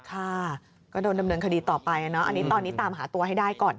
ค่ะก็โดนดำเนินคดีต่อไปอันนี้ตอนนี้ตามหาตัวให้ได้ก่อน